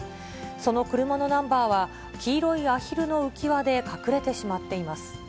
その車のナンバーは、黄色いアヒルの浮き輪で隠れてしまっています。